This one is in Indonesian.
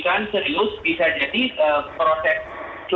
bisa jadi proses selanjutnya tidak dilanjutkan gitu ya